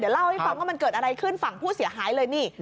เล่าให้ฟังว่ามันเกิดอะไรขึ้นฝั่งผู้เสียหายเลยนี่